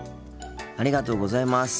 ありがとうございます。